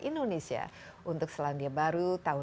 alhamdulillah sehat terima kasih berdiri dalam